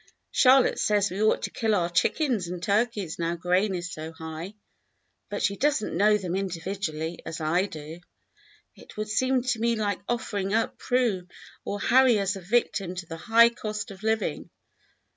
Charlotte says we ought to kill our chickens and turkeys now grain is so high; but she does n't know them individually, as I do. It would seem to me like offering up Prue or Harry as a victim to the high cost of living.